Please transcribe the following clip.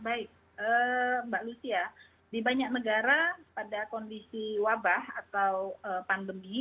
baik mbak lucia di banyak negara pada kondisi wabah atau pandemi